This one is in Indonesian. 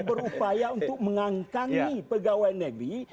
berupaya untuk mengangkangi pegawai negeri